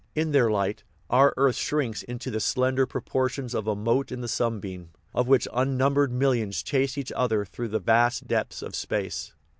In their light our earth shrinks into the slender proportions of a "mote in the sunbeam," of which unnumbered 243 THE RIDDLE OF THE UNIVERSE millions chase each other through the vast depths of space.